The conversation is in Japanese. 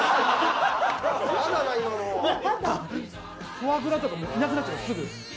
フォアグラとかもういなくなっちゃうすぐ。